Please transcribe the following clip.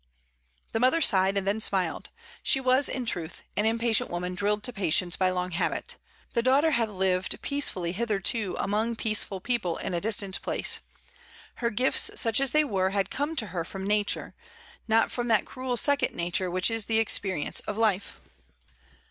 The mother sighed and then smiled — she was, in truth, an impatient woman drilled to patience by long habit. The daughter had lived peacefully "TELL ME WHY SUSANNAHS FAIR." 7 I hitherto among peaceful people in a distant place; her gifts, such as they were, had come to her from nature, not from that cruel second nature which is the experience of life.